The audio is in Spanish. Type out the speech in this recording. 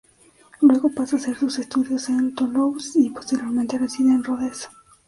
Luego pasa a hacer sus estudios en Toulouse, y posteriormente reside en Rodez.